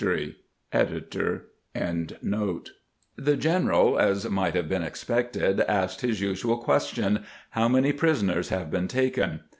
^ The general, as might have been expected, asked his usual question :" How many prisoners have been taken